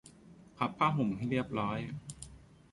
พับผ้าห่มให้เรียบร้อย